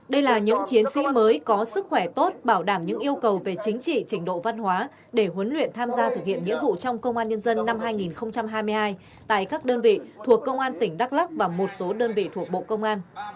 đây là những chiến sĩ mới có sức khỏe tốt bảo đảm những yêu cầu về chính trị trình độ văn hóa để huấn luyện tham gia thực hiện nghĩa vụ trong công an nhân dân năm hai nghìn hai mươi hai tại các đơn vị thuộc công an tỉnh đắk lắc và một số đơn vị thuộc bộ công an